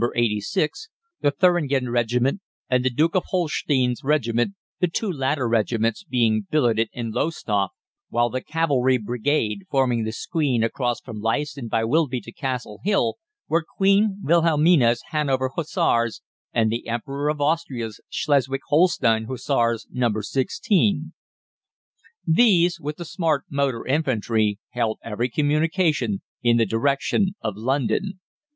86, the Thuringen Regiment, and the Duke of Holstein's Regiment, the two latter regiments being billeted in Lowestoft, while the cavalry brigade forming the screen across from Leiston by Wilby to Castle Hill were Queen Wilhelmina's Hanover Hussars and the Emperor of Austria's Schleswig Holstein Hussars No. 16. These, with the smart motor infantry, held every communication in the direction of London.